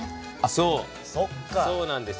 そうなんです。